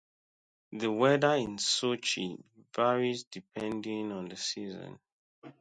The weather in Sochi varies depending on the season.